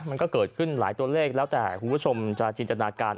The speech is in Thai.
มันก็เกิดขึ้นหลายตัวเลขแล้วแต่คุณผู้ชมจะจินตนาการ